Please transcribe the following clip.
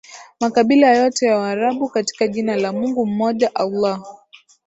makabila yote ya Waarabu katika jina la Mungu mmoja Allah